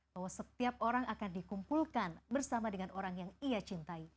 bahwa setiap orang akan dikumpulkan bersama dengan orang yang ia cintai